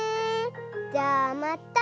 じゃあまったね！